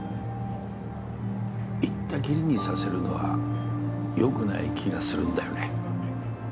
行ったきりにさせるのは良くない気がするんだよね